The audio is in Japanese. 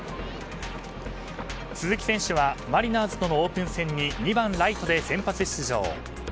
鈴木選手はマリナーズとのオープン戦に２番、ライトで先発出場。